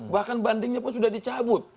bahkan bandingnya pun sudah dicabut